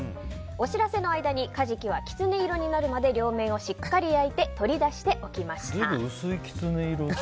お知らせの間にカジキがキツネ色になるまで両面をしっかり焼いて取り出しておきました。